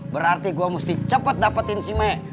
berarti gua mesti cepet dapetin si maya